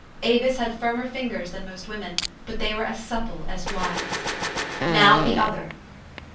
Avis had firmer fingers than most women ; but they were as supple as withes. "Now, the other!"